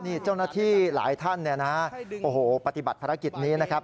นี่เจ้านักฐีหลายท่านแนะนำโอ้โหปฏิบัติภารกิจนี้นะครับ